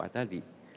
oleh sebab itu